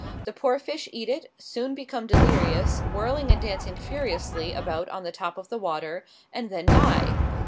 The poor fish eat it, soon become delirious, whirling and dancing furiously about on the top of the water, and then die.